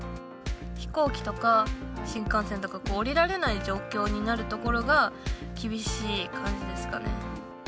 飛行機とか、新幹線とか、降りられない状況になるところが、厳しい感じですかね。